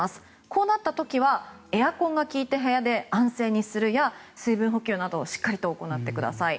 こうなった時はエアコンが効いている部屋で安静にするや水分補給などをしっかり行ってください。